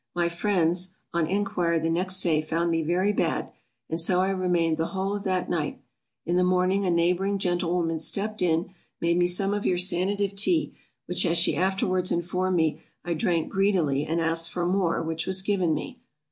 My friends, on enquiry the next day, found me very bad; and so I remained the whole of that night; in the morning a neighboring gentlewoman stepped in, made me some of your Sanative Tea; which as she afterwards informed me, I drank greedily, and asked for more, which was given me.